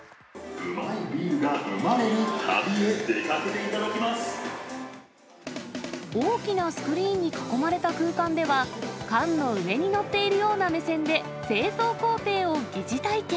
うまいビールが生まれる旅へ大きなスクリーンに囲まれた空間では、缶の上に乗っているような目線で、製造工程を疑似体験。